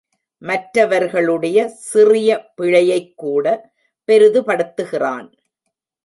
மற்றவர்களுடைய சிறிய பிழையைக்கூட பெரிதுபடுத்துகிறான்.